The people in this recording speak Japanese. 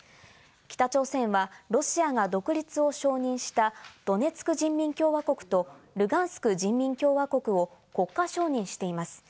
北朝鮮はロシアが独立を承認したドネツク人民共和国と、ルガンスク人民共和国を国家承認しています。